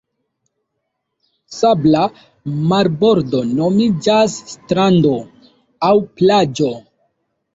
Sabla marbordo nomiĝas strando aŭ plaĝo.